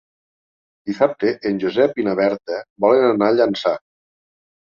Dissabte en Josep i na Berta volen anar a Llançà.